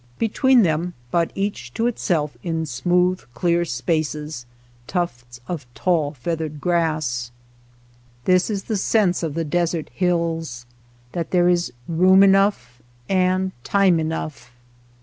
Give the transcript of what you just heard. Between them, but each to itself in smooth clear spaces, tufts of tall feathered grass. This is the sense of the desert hills, that there is room enough and time enough.